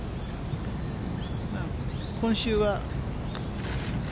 今週は。